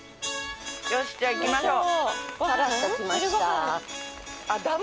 よしじゃあ行きましょう。